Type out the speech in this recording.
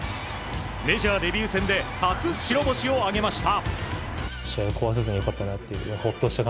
メジャーデビュー戦で初白星を挙げました。